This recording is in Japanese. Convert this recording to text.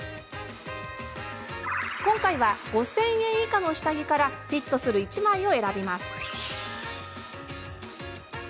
今回は５０００円以下の下着からフィットする１枚を選びます。